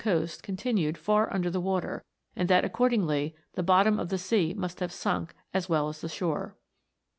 301 coast continued far under the water, and that ac cordingly the bottom of the sea must have sunk as well as the shore.